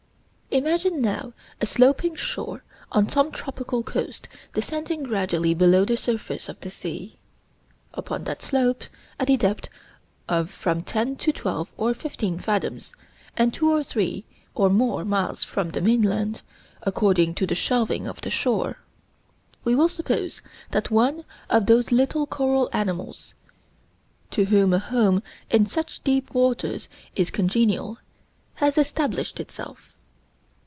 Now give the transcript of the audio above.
Imagine now a sloping shore on some tropical coast descending gradually below the surface of the sea. Upon that slope, at a depth of from ten to twelve or fifteen fathoms, and two or three or more miles from the mainland, according to the shelving of the shore, we will suppose that one of those little coral animals, to whom a home in such deep waters is congenial, has established itself.